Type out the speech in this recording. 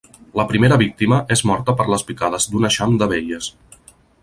La primera víctima és morta per les picades d'un eixam d'abelles.